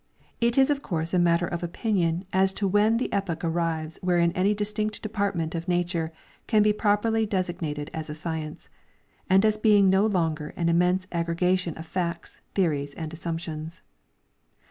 It is of course a matter of opinion as to when the epoch arrives Avherein any distinct department of nature can be properly designated as a science, and as being no longer an immense aggregation of facts, theories and assumptions.